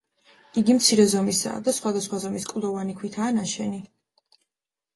იგი მცირე ზომისაა და სხვადასხვა ზომის კლდოვანი ქვითაა ნაშენი.